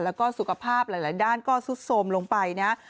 แล้วก็สุขภาพหลายด้านก็ซุดโทรมลงไปนะ